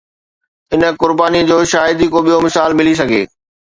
ان قربانيءَ جو شايد ئي ٻيو ڪو مثال ملي سگهي